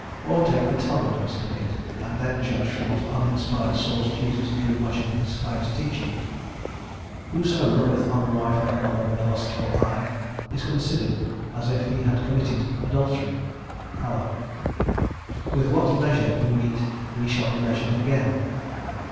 Or take the Talmud and study it, and then judge from what uninspired source Jesus drew much of His highest teaching. "Whoso looketh on the wife of another with a lustful eye, is considered as if he had committed adultery." (Kalah.) "With what measure we mete, we shall be measured again."